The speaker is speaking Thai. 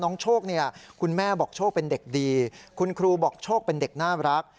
โชคเนี่ยคุณแม่บอกโชคเป็นเด็กดีคุณครูบอกโชคเป็นเด็กน่ารัก